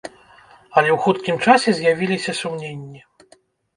Але ў хуткім часе з'явіліся сумненні.